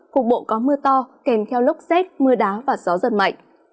cục bộ có mưa to kèm theo lốc xét mưa đá và gió giật mạnh